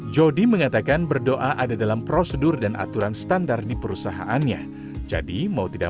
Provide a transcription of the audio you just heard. jody mengatakan berdoa ada dalam prosedur dan aturan standar di perusahaannya jadi mau tidak